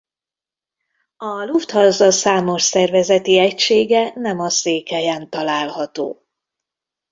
A Lufthansa számos szervezeti egysége nem a székhelyen található.